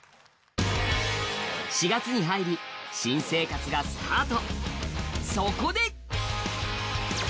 ４月に入り新生活がスタート。